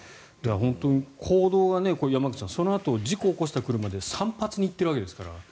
本当に行動が、山口さんそのあと事故を起こした車で散髪に行ってるわけですから。